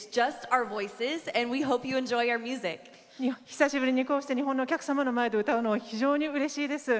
久しぶりにこうして日本のお客様の前で歌うのは非常にうれしいです。